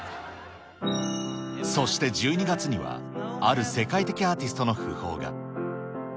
そして１２月には、ある世界的アーティストの訃報が。